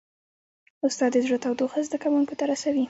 استاد د زړه تودوخه زده کوونکو ته رسوي.